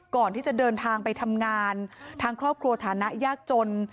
ก่อนที่จะเดินทางไปทำงานทางครอบครัวฐานะยากจน